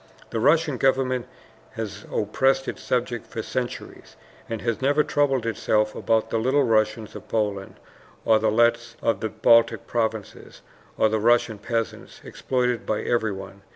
The Russian Government has oppressed its subjects for centuries, and has never troubled itself about the Little Russians of Poland, or the Letts of the Baltic provinces, or the Russian peasants, exploited by everyone.